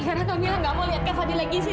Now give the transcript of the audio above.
karena kak mila gak mau lihat kak fadil lagi sih